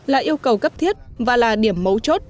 là yêu cầu cấp thiết và là điểm mấu chốt